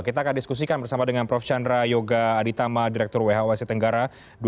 kita akan diskusikan bersama dengan prof chandra yoga aditama direktur who sit tenggara dua ribu delapan belas dua ribu dua puluh